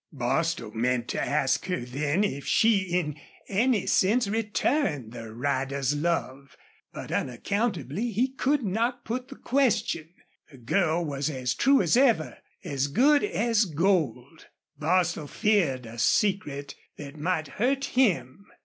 Bostil meant to ask her then if she in any sense returned the rider's love, but unaccountably he could not put the question. The girl was as true as ever as good as gold. Bostil feared a secret that might hurt him.